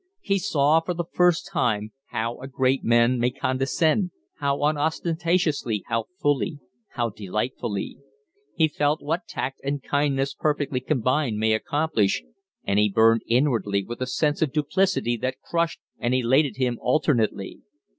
He saw for the first time how a great man may condescend how unostentatiously, how fully, how delightfully. He felt what tact and kindness perfectly combined may accomplish, and he burned inwardly with a sense of duplicity that crushed and elated him alternately.